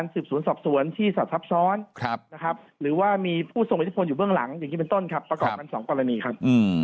เพราะว่ามีผู้ส่งอิทธิพลอยู่เบื้องหลังอย่างนี้เป็นต้นครับประกอบกัน๒กรณีครับ